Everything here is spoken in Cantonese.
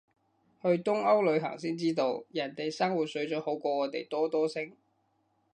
去東歐旅行先知道，人哋生活水準好過我哋多多聲